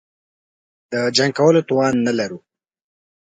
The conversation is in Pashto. جنګ کولو توان نه لرو.